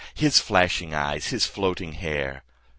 His flashing eyes, his floating hair!